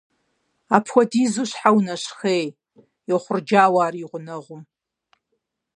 Апхуэдизу щхьэ унэщхъей?! – йохъурджауэ ар и гъунэгъум.